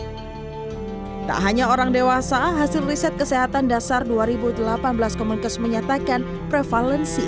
hai tak hanya orang dewasa hasil riset kesehatan dasar dua ribu delapan belas comenkes menyatakan prevalensi